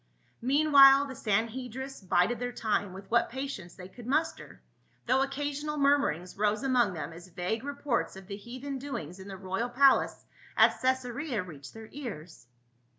Meanwhile the Sanhcdrists bided their time with what patience they could muster, though 250 PA UL. occasional murmurings rose among them as vague re ports of the heathen doings in the royal palace at Caesarea reached their ears.